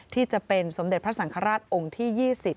ที่จะเป็นสมเด็จพระสังฆราชองค์ที่๒๐